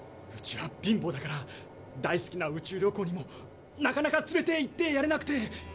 うちは貧乏だから大好きな宇宙旅行にもなかなか連れていってやれなくて。